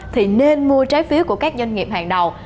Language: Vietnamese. thì nên mua trái phiếu của các doanh nghiệp hàng đầu